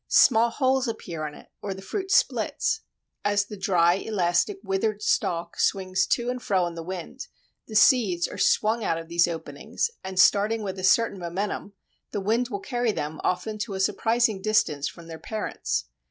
Small holes appear in it, or the fruit splits. As the dry, elastic, withered stalk swings to and fro in the wind, the seeds are swung out of these openings, and starting with a certain momentum the wind will carry them often to a surprising distance from their parents.